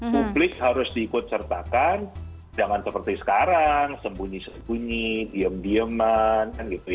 publik harus diikut sertakan jangan seperti sekarang sembunyi sembunyi diem dieman